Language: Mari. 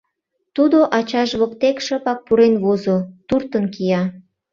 Тудо ачаж воктек шыпак пурен возо, туртын кия...